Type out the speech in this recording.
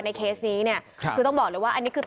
ในเคสนี้ก็ต้องบอกเลยว่านี่คือ